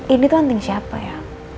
ini tuh anting siapa ya